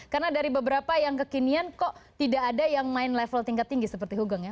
karena dari beberapa yang kekinian kok tidak ada yang main level tingkat tinggi seperti hugen ya